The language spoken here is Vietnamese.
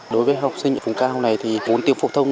đối với học sinh vùng cao này thì bốn tiếng phổ thông